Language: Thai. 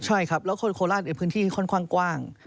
ใช่ครับเพราะชายโคลาจเนี่ยพื้นที่ค่อนข้างกว้าง